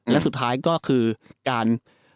และสุดท้ายก็คือการ